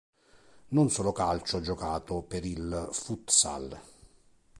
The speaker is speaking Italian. Non solo calcio giocato per il futsal.